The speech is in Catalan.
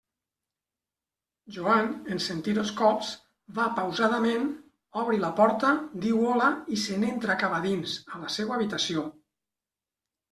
Joan, en sentir els colps, va pausadament, obri la porta, diu «hola» i se n'entra cap a dins, a la seua habitació.